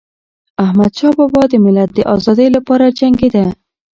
احمدشاه بابا د ملت د ازادی لپاره جنګيده.